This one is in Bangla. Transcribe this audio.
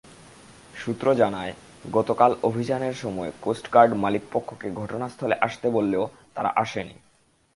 সূত্র জানায়, গতকাল অভিযানের সময় কোস্টগার্ড মালিকপক্ষকে ঘটনাস্থলে আসতে বললেও তারা আসেনি।